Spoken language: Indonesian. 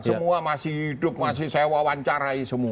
semua masih hidup masih saya wawancarai semua